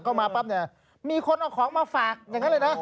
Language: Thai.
มาปั๊บเนี่ยมีคนเอาของมาฝากอย่างนั้นเลยนะ